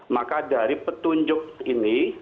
maka dari petunjuk ini